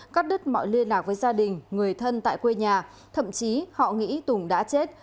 cắt đứt mọi liên lạc với gia đình người thân tại quê nhà thậm chí họ nghĩ tùng đã chết